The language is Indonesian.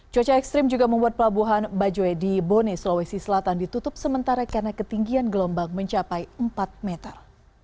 cuaca ekstrim juga membuat pelabuhan bajoi di bone sulawesi selatan ditutup sementara karena ketinggian gelombang mencapai empat meter